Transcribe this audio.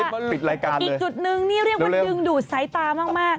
อีกจุดนึงนี่เรียกว่าดึงดูดสายตามาก